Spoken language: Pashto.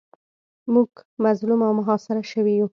موږ مظلوم او محاصره شوي یو.